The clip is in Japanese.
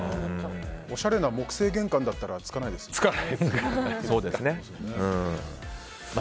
おしゃれな木製玄関だったらつかないですよね。